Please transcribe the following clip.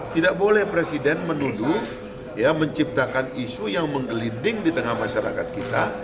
tidak boleh presiden menuduh menciptakan isu yang menggelinding di tengah masyarakat kita